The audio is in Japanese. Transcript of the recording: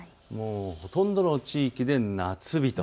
ほとんどの地域で夏日。